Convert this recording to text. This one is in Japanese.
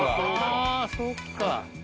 あぁそっか。